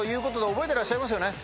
覚えてらっしゃいますよね？